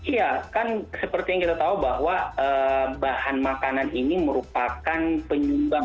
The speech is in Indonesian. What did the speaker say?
iya kan seperti yang kita tahu bahwa bahan makanan ini merupakan penyumbang